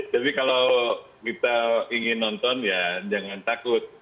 tapi kalau kita ingin nonton ya jangan takut